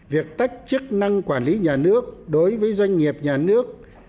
việc tách chức năng quản lý nhà nước đối với doanh nghiệp nhà nước